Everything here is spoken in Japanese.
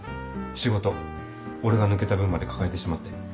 仕事俺が抜けた分まで抱えてしまって。